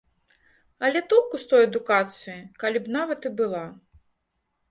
Але толку з той адукацыі, калі б нават і была!